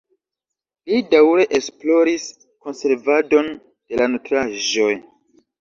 Li daŭre esploris konservadon de la nutraĵoj.